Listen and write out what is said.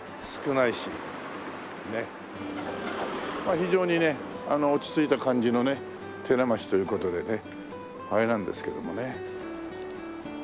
非常にね落ち着いた感じの寺町という事でねあれなんですけどもね。